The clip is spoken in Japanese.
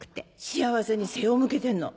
幸せに背を向けてんの。